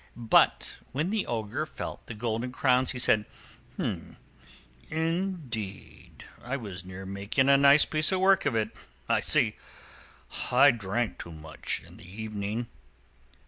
But when the Ogre felt the golden crowns, he said, "Indeed, I was near making a nice piece of work of it. I see that I drank too much in the evening."